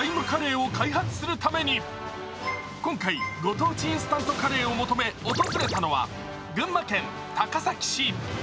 「ＴＩＭＥ，カレー」を開発するため、今回、ご当地インスタントカレーを求め、訪れたのは群馬県高崎市。